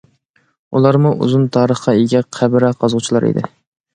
ئۇلارمۇ ئۇزۇن تارىخقا ئىگە قەبرە قازغۇچىلار ئىدى.